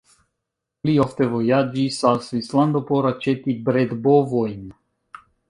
Li ofte vojaĝis al Svislando por aĉeti bredbovojn.